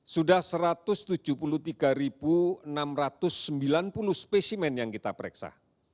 sudah satu ratus tujuh puluh tiga enam ratus sembilan puluh spesimen yang kita pereksa